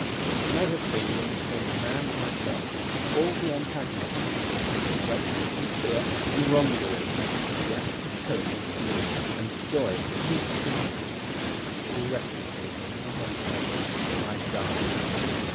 It may have been that between the man and myself was all the antagonism that came from race, and fear, and wrongdoing; but the act of his killing was to me a joy unspeakable. It will rest with me as a wild pleasure till I die.